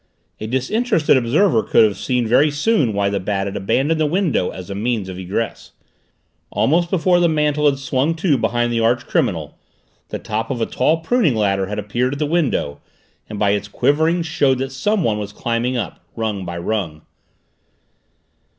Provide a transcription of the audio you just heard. A disinterested observer could have seen very soon why the Bat had abandoned the window as a means of egress. Almost before the mantel had swung to behind the archcriminal, the top of a tall pruning ladder had appeared at the window and by its quivering showed that someone was climbing up, rung by rung.